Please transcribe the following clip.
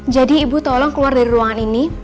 jadi ibu tolong keluar dari ruangan ini